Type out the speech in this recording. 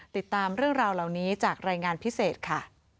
ติดตามเรื่องราวเหล่านี้จากรายงานพิเศษค่ะ